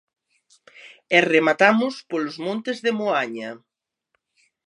E rematamos polos montes de Moaña.